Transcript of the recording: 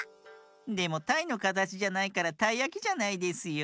でもたいのかたちじゃないからたいやきじゃないですよ。